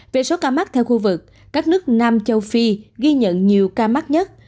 về số ca mắc theo khu vực các nước nam châu phi ghi nhận nhiều ca mắc nhất